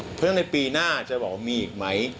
เพราะฉะนั้นในปีหน้าจะบอกว่ามีอีกไหม